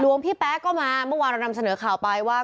พี่แป๊ก็มาเมื่อวานเรานำเสนอข่าวไปว่า